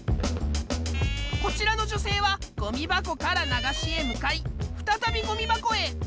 こちらの女性はごみ箱から流しへ向かい再びごみ箱へ。